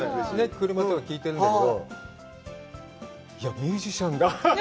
車とかで聞いてるんだけど、ミュージシャンだ。